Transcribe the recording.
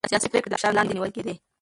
سياسي پرېکړې د فشار لاندې نيول کېدې.